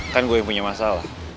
kan gue yang punya masalah